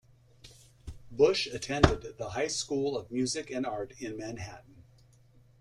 Busch attended The High School of Music and Art in Manhattan.